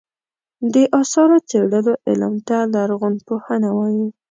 د اثارو څېړلو علم ته لرغونپوهنه وایې.